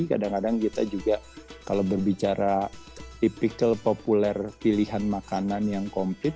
kadang kadang kita juga kalau berbicara tipikal populer pilihan makanan yang komplit